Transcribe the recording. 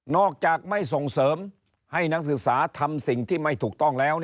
อกจากไม่ส่งเสริมให้นักศึกษาทำสิ่งที่ไม่ถูกต้องแล้ว